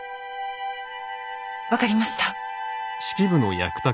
分かりました。